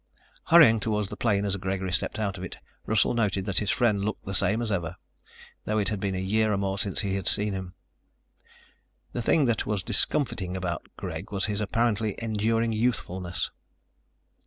Hurrying toward the plane as Gregory stepped out of it, Russell noted that his friend looked the same as ever, though it had been a year or more since he had seen him. The thing that was discomfiting about Greg was his apparently enduring youthfulness.